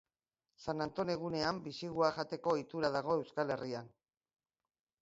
San Anton egunean bixigua jateko ohitura dago Euskal Herrian